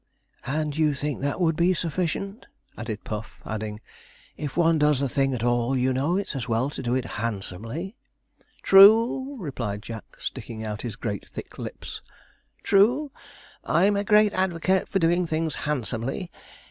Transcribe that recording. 'And that you think would be sufficient?' asked Puff, adding 'If one does the thing at all, you know, it's as well to do it handsomely.' 'True,' replied Jack, sticking out his great thick lips, 'true. I'm a great advocate for doing things handsomely.